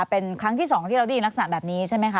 เป็นครั้งที่๒ที่เราได้ยินลักษณะแบบนี้ใช่ไหมคะ